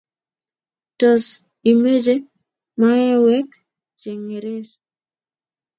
Tos, ichame maywek chengering?